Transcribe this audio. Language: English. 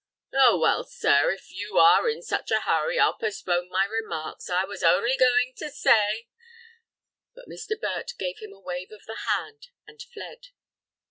"Oh, well, sir, if you are in such a hurry, I'll postpone my remarks. I was only going to say—" But Mr. Burt gave him a wave of the hand, and fled.